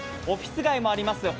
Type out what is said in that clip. オフィス街もあります